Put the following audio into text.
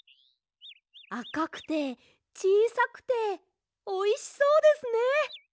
あかくてちいさくておいしそうですね！